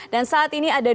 dan saat ini ada